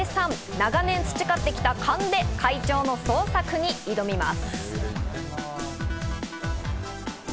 長年培ってきた勘で怪鳥の捜索に挑みます。